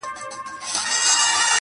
ماته د پېغلي کور معلوم دی؛